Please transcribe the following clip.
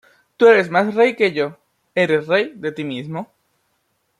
Tú eres más rey que yo: eres rey de ti mismo.